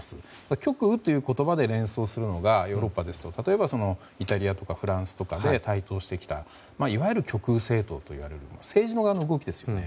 極右という言葉で連想するのがヨーロッパですと例えばイタリアとかフランスとかで台頭してきた極右政党といわれる政治側の動きですね。